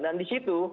dan di situ